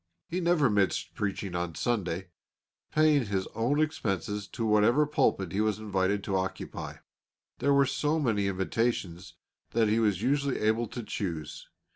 He never missed preaching on Sunday, paying his own expenses to whatever pulpit he was invited to occupy. There were so many invitations that he was usually able to choose.